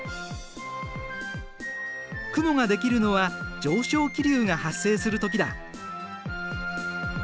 雲ができるのは上昇気流が発生する時だ。